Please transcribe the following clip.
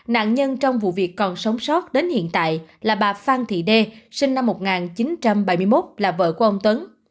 nạn nhân trong vụ việc còn sống sót đến hiện tại là bà phan thị đê sinh năm một nghìn chín trăm bảy mươi một là vợ của ông tấn